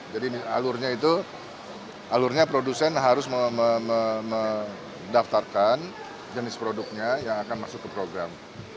jadi alurnya itu alurnya produsen harus mendaftarkan jenis produknya yang akan masuk ke program